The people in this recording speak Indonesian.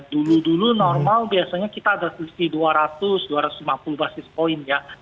dulu dulu normal biasanya kita ada selisih dua ratus dua ratus lima puluh basis point ya